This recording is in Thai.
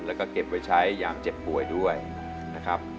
แล้วก็เก็บไว้ใช้อย่างเจ็บป่วยด้วยนะครับ